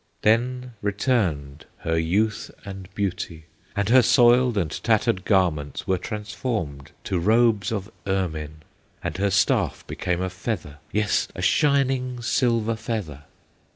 "Then returned her youth and beauty, And her soiled and tattered garments Were transformed to robes of ermine, And her staff became a feather, Yes, a shining silver feather!